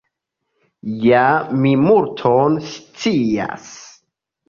Ja mi multon scias.